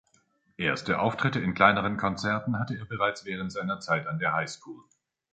Erste Auftritte in kleineren Konzerten hatte er bereits während seiner Zeit an der Highschool.